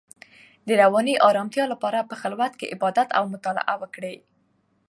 د رواني ارامتیا لپاره په خلوت کې عبادت او مطالعه وکړئ.